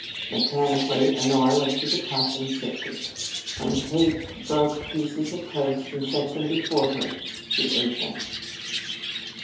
Mechanically, Honora lifted the cup and sipped it. When Kate broke pieces of the toast and set them before her, she ate them.